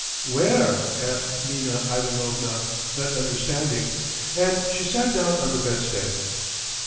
"Where?" asked Nina Ivanovna, not understanding, and she sat down on the bedstead.